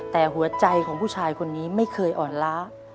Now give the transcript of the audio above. แต่หัวใจของผู้ชายคนนี้ไม่เคยอ่อนล้า